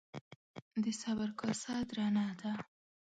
ـ د صبر کاسه درنه ده.